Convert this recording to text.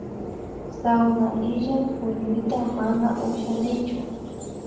Sawna illak puñuyta mana ushanichu